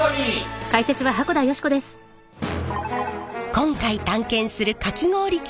今回探検するかき氷機